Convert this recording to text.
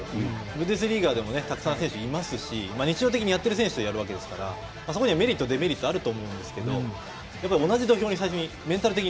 ブンデスリーガにもたくさん選手がいますし日常的にやっている選手とやるわけですからそこにはメリット、デメリットあると思いますけどやはり同じ土俵に立たないと。